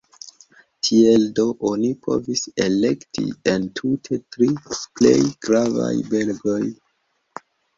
Tiel do oni povis elekti entute tri plej gravaj belgoj.